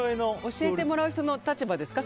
教えてもらう人の立場ですか？